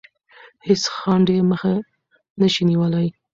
هیڅ خنډ یې مخه نه شي نیولی.